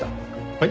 はい？